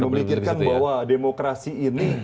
memikirkan bahwa demokrasi ini